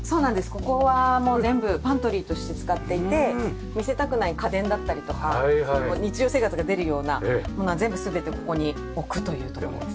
ここはもう全部パントリーとして使っていて見せたくない家電だったりとか日常生活が出るようなものは全部全てここに置くという所ですね。